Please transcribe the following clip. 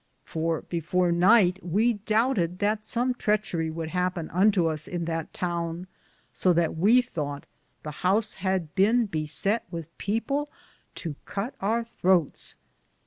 for before nyghte we doubted that some tritcherie would hapen unto us in that towne, so that we thoughte the house had bene besett with people to cutt our Throtes.